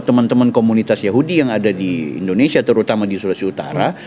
teman teman komunitas yahudi yang ada di indonesia terutama di sulawesi utara